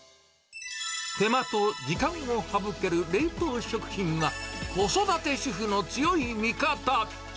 手間と時間を省ける冷凍食品は、子育て主婦の強い味方。